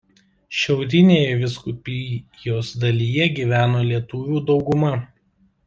Šiaurinėje vyskupijos dalyje gyveno lietuvių dauguma.